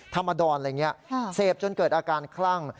อดรอะไรอย่างนี้เสพจนเกิดอาการคลั่ง